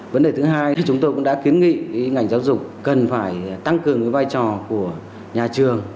vấn đề thứ hai thì chúng tôi cũng đã kiến nghị ngành giáo dục cần phải tăng cường vai trò của nhà trường